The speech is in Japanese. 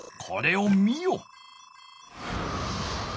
これを見よ。